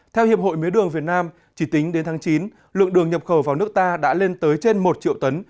theo hiệp hội mía đường việt nam chỉ tính đến tháng chín lượng đường nhập khẩu vào nước ta đã lên tới trên một triệu tấn